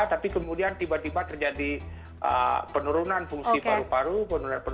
tapi kemudian tiba tiba terjadi penurunan fungsi paru paru